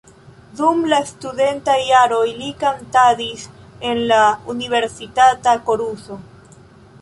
Dum la studentaj jaroj li kantadis en la universitata koruso.